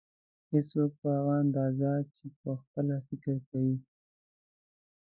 هېڅوک په هغه اندازه چې پخپله فکر کوي.